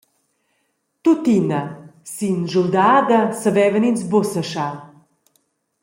Tuttina, sin schuldada savevan ins buca seschar.